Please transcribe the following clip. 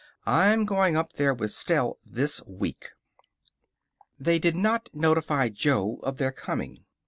I'm going up there with Stell this week." They did not notify Jo of their coming.